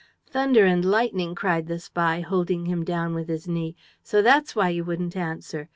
"Thunder and lightning!" cried the spy, holding him down with his knee. "So that's why you wouldn't answer?